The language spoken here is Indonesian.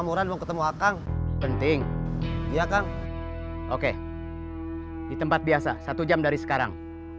mural mau ketemu kang penting ya kang oke di tempat biasa satu jam dari sekarang